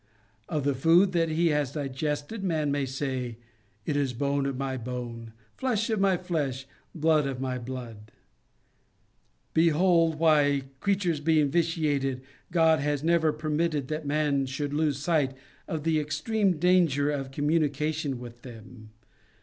Of the food that he has digested, man may say: "It is bone of my bone, flesh of my flesh, blood of my blood." Behold why, creatures being vitiated," God has never permitted that man should lose sight of the extreme danger of communica tion with them.